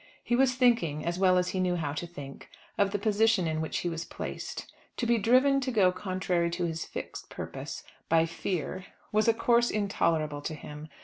He was thinking, as well as he knew how to think, of the position in which he was placed. To be driven to go contrary to his fixed purpose by fear was a course intolerable to him.